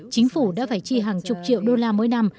chính phủ đã phải chi hàng chục triệu đô la mỗi năm